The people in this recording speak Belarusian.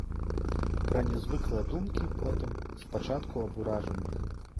Пра нязвыклыя думкі потым, спачатку аб уражаннях.